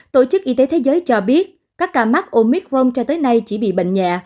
tổ chức y tế thế giới cho biết các ca mắc omicron cho tới nay chỉ bị bệnh nhẹ